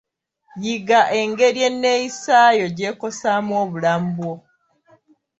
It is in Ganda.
Yiga engeri eneeyisa yo gy'ekosaamu obulamu bwo.